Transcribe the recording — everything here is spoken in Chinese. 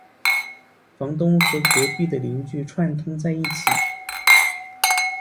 房东和隔壁的邻居串通在一起